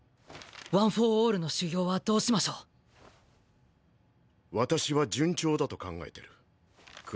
ワン・フォー・オールの修業はどうし私は順調だと考えてる「黒鞭」